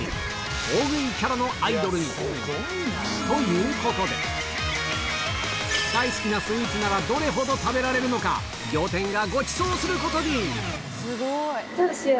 大食いキャラのアイドルに。ということで、大好きなスイーツならどれほど食べられるのか、どうしよう。